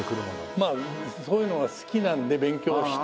まあそういうのが好きなんで勉強して。